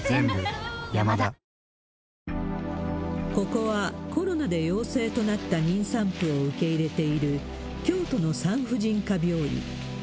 ここは、コロナで陽性となった妊産婦を受け入れている、京都の産婦人科病院。